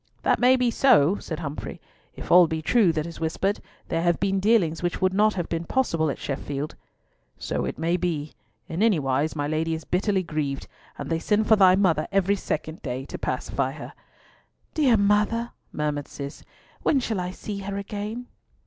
"That may be so," said Humfrey. "If all be true that is whispered, there have been dealings which would not have been possible at Sheffield." "So it may be. In any wise my Lady is bitterly grieved, and they send for thy mother every second day to pacify her." "Dear mother!" murmured Cis; "when shall I see her again?"